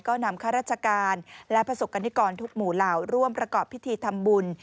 ก็นำข้าราชการและประสบกรณิกรทุกหมู่เหล่าร่วมประกอบพิธีทำบุญ